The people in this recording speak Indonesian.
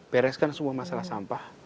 bereskan semua masalah sampah